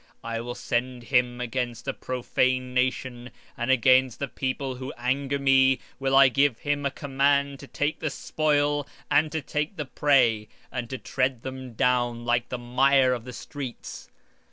20:6 I will send him against a hypocritical nation, and against the people of my wrath will I give him a charge to take the spoil, and to take the prey, and to tread them down like the mire of the streets.